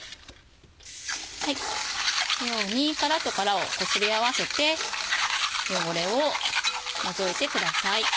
このように殻と殻をこすり合わせて汚れを除いてください。